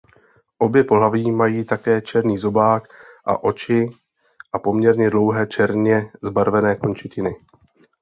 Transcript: Obě pohlaví mají také černý zobák a oči a poměrně dlouhé černě zbarvené končetiny.